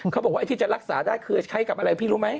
เขาบอกว่าไอ้ที่จะรักษาได้คือใช้กับอะไรพี่รู้ไหม